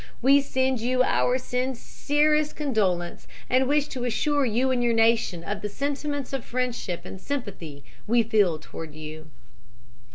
We send you our sincerest condolence, and wish to assure you and your nation of the sentiments of friendship and sympathy we feel toward you."